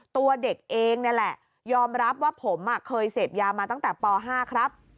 ตัวเด็กเองนี่แหละยอมรับว่าผมเคยเสพยามาตั้งแต่ป๕ครับ